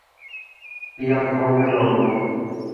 P R ধরনের robot.